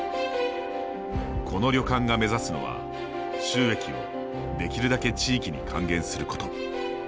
この旅館が目指すのは、収益をできるだけ地域に還元すること。